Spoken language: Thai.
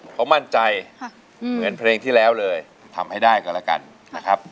ผมมั่นใจเหมือนเพลงที่แล้วเลยทำให้ได้ก็แล้วกันนะครับ